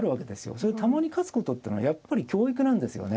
それでたまに勝つことっていうのはやっぱり教育なんですよね。